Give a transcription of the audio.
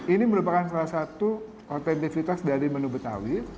ini merupakan salah satu otentivitas dari menu betawi